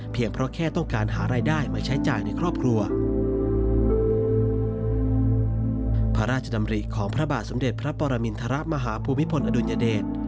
พระราชดำรีของพระบาทสมเด็จพระปรมินทรัพย์มหาภูมิพลอดุลยเดช